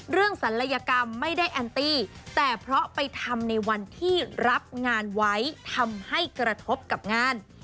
ศัลยกรรมไม่ได้แอนตี้แต่เพราะไปทำในวันที่รับงานไว้ทำให้กระทบกับงาน